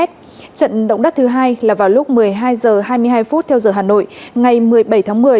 trận động đất thứ hai là vào lúc một mươi hai h hai mươi hai phút theo giờ hà nội ngày một mươi bảy tháng một mươi